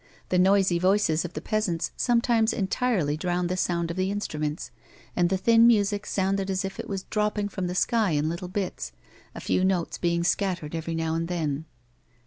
The noisy voices of the peasants sometimes entirely drowned the sound of the in struments, and the thin music sounded as if it was dropping from the sky in little bits, a few notes being scattered every now and then.